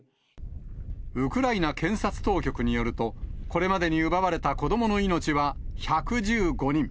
ウクライナ検察当局によると、これまでに奪われた子どもの命は１１５人。